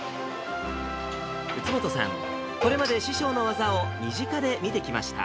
宇津本さん、これまで師匠の技を身近で見てきました。